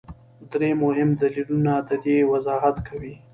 درې مهم دلیلونه د دې وضاحت کوي.